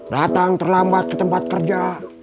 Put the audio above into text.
datang terlambat ke tempat kerja